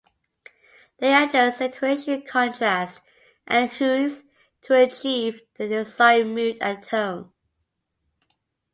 They adjust saturation, contrast, and hues to achieve the desired mood and tone.